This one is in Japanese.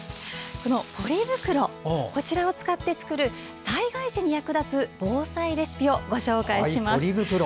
ポリ袋を使って作る災害時に役立つ防災レシピをご紹介します。